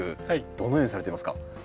どのようにされていますか？